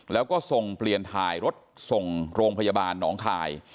แล้วก็ส่งเปลี่ยนถ่ายรถส่งโรงพยาบาลหนองคาย